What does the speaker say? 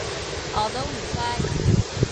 我都唔識